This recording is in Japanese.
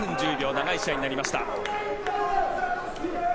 長い試合になりました。